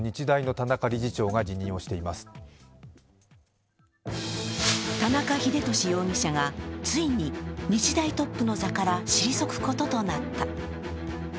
田中英寿容疑者がついに日大トップの座から退くこととなった。